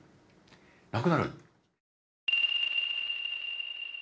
無くなる。